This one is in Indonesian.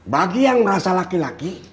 bagi yang merasa laki laki